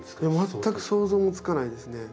全く想像もつかないですね。